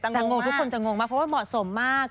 จะงงทุกคนจะงงมากเพราะว่าเหมาะสมมาก